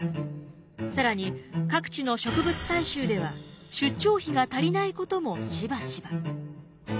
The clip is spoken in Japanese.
更に各地の植物採集では出張費が足りないこともしばしば。